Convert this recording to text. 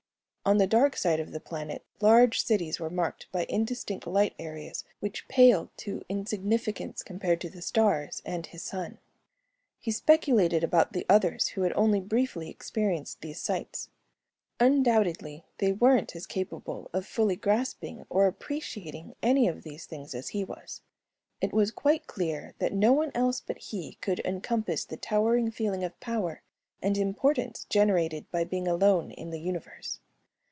On the dark side of the planet large cities were marked by indistinct light areas which paled to insignificance compared to the stars and his sun. He speculated about the others who had only briefly experienced these sights. Undoubtedly they weren't as capable of fully grasping or appreciating any of these things as he was. It was quite clear that no one else but he could encompass the towering feeling of power and importance generated by being alone in the Universe.